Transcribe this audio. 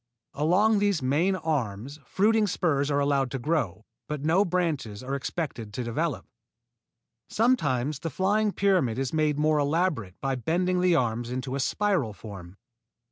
Along these main arms fruiting spurs are allowed to grow, but no branches are expected to develop. Sometimes the flying pyramid is made more elaborate by bending the arms into a spiral form.